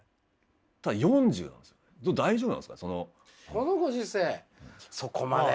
このご時世そこまで。